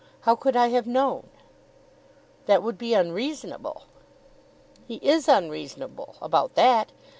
How could I have known?" "That would be unreasonable." "He is unreasonable about that.